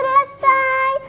rumah udah selesai